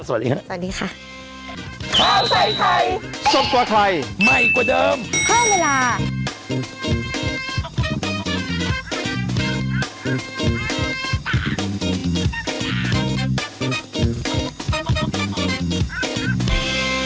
สวัสดีครับสวัสดีค่ะสวัสดีค่ะสวัสดีค่ะ